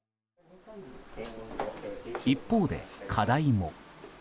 一方で、課題も。